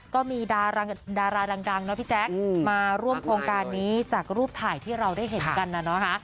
ก็มีดาราดังเนาะพี่แจ๊คมาร่วมโครงการนี้จากรูปถ่ายที่เราได้เห็นกันน่ะนะคะ